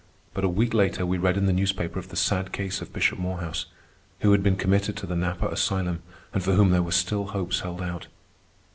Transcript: But a week later we read in the newspaper of the sad case of Bishop Morehouse, who had been committed to the Napa Asylum and for whom there were still hopes held out.